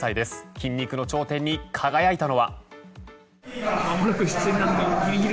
筋肉の頂点に輝いたのは？